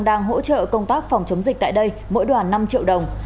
đang hỗ trợ công tác phòng chống dịch tại đây mỗi đoàn năm triệu đồng